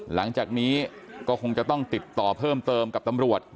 หลังจากนี้ก็คงจะต้องติดต่อเพิ่มเติมกับตำรวจ